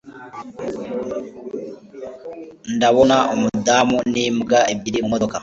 Ndabona umudamu n'imbwa ebyiri mumodoka.